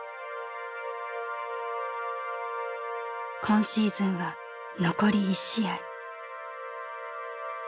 「今シーズンは残り１試合」。